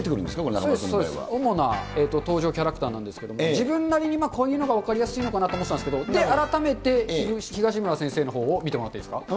そうです、そうです、主な登場キャラクターなんですけど、自分なりにこういうのが分かりやすいのかなと思ってたんですけれども、改めて東村先生のほうを見てもらっていいですか。